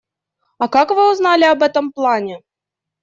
А как вы узнали об этом плане?